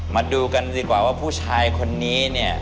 มาดูกันดีกว่าว่าผู้ชายคนนี้เนี่ย